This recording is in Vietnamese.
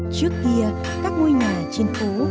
trước kia các ngôi nhà trên phố